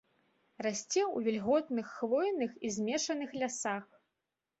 Расце ў вільготных хвойных і змешаных лясах.